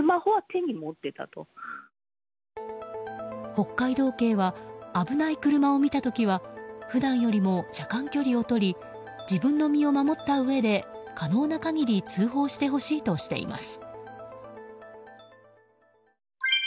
北海道警は危ない車を見た時は普段よりも車間距離を取り自分の身を守ったうえで可能な限り通報してほしいとしています。